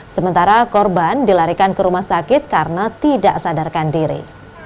sementara korban dilarikan ke rumah sakit karena tidak sadarkan diri